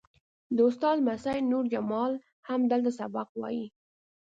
د استاد لمسی نور جمال هم دلته سبق وایي.